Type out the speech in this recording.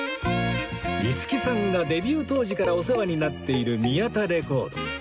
五木さんがデビュー当時からお世話になっている宮田レコード